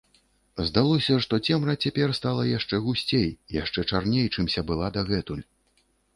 Здалося, што цемра цяпер стала яшчэ гусцей, яшчэ чарней, чымся была дагэтуль.